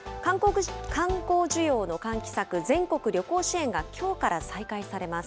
観光需要の喚起策、全国旅行支援がきょうから再開されます。